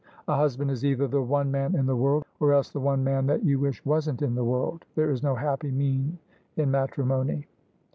A husband is either the one man in the world, or else the one man that you wish wasn't in the world : there is no happy mean in matrimony."